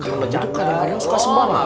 kamu itu kadang kadang suka sembangar kan